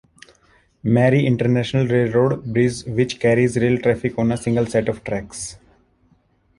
Marie International Railroad Bridge, which carries rail traffic on a single set of tracks.